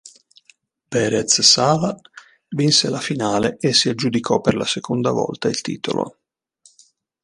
Perez-Sala vinse la finale e si aggiudicò per la seconda volta il titolo.